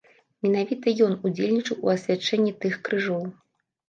Менавіта ён удзельнічаў у асвячэнні тых крыжоў.